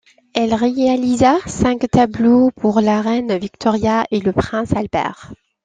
Elle réalisa cinq tableaux pour la reine Victoria et le prince Albert.